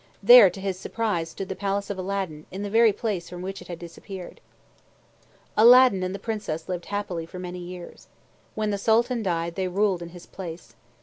There, to his surprise, stood the palace of Aladdin, in the very place from which it had disappeared. Aladdin and the Princess lived happily for many years. When the Sultan died, they ruled in his place.